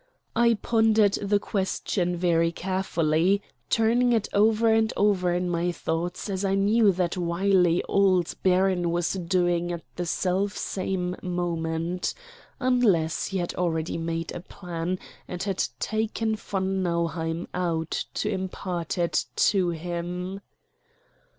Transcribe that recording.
I pondered the question very carefully, turning it over and over in my thoughts as I knew that wily old baron was doing at the self same moment unless he had already made a plan and had taken von Nauheim out to impart it to him.